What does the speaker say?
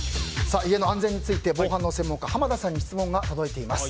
家の安全について防犯の専門家濱田さんに質問が届いています。